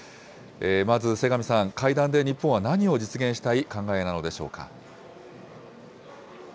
まず瀬上さん、会談で日本は何を実現したい考えなのでしょうか。